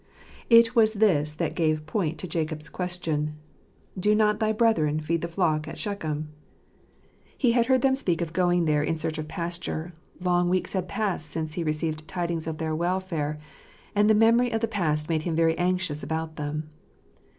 It was this that gave point to Jacob's question, " Do not thy brethren feed the flock at Shechem ?" He had heard 21 JJnaeplj sent to Jsfreeljcm. them speak of going there in search of pasture ; long weeks had passed since he received tidings of their welfare, and the memory of the past made him very anxious about them.